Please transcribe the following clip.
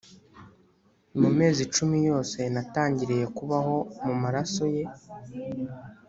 mu mezi cumi yose natangiriye kubaho mu maraso ye,